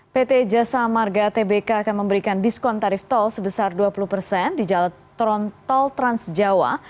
pt jasa marga tbk akan memberikan diskon tarif tol sebesar dua puluh di jalan tol trans jawa